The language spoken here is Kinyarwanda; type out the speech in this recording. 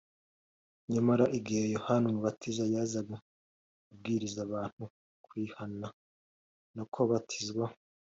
nyamara igihe yohana umubatiza yazaga, abwiriza abantu kwihana no kubatizwa